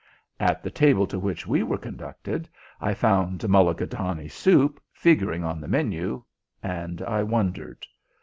At the table to which we were conducted I found "mulligatawny soup" figuring on the menu, and I wondered.